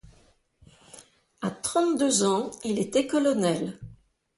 À trente-deux ans, il était colonel.